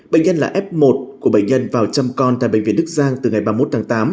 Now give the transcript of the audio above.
bệnh nhân là f một của bệnh nhân vào chăm con tại bệnh viện đức giang từ ngày ba mươi một tháng tám